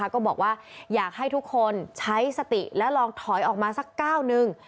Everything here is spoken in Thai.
ก็บอกว่าอยากให้ทุกคนใช้สติและลองถอยออกมาสักก้าวหนึ่ง